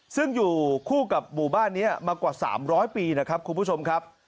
ซึ่งอยู่คู่กับหมู่บ้านนี้มากว่า๓๐๐ปีนะครับคุณผู้ชมครับ